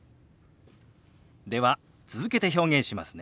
では続けて表現しますね。